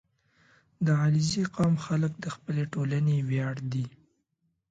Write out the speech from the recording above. • د علیزي قوم خلک د خپلې ټولنې ویاړ دي.